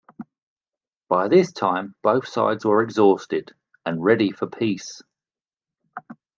By this time both sides were exhausted and ready for peace.